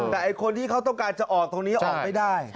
แต่คนที่เขาต้องการจะออกตรงนี้ออกไม่ได้